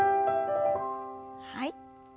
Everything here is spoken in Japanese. はい。